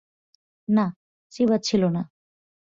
না, চিবাচ্ছিল না।